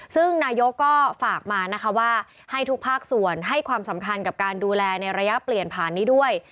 ซึ่งนายกก็ฝากมานะคะว่าให้ทุกภาคส่วนให้ความสำคัญกับการดูแลในระยะเปลี่ยนผ่านนี้ด้วย